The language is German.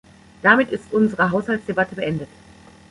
Damit ist unsere Haushaltsdebatte beendet.